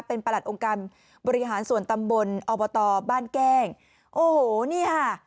เป็นประหลัดองค์การบริหารส่วนตำบลอบตบ้านแก้งโอ้โหนี่ค่ะ